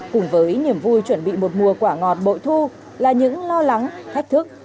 cùng với niềm vui chuẩn bị một mùa quả ngọt bội thu là những lo lắng thách thức